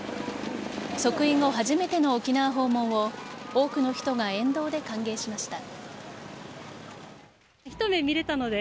即位後初めての沖縄訪問を多くの人が沿道で歓迎しました。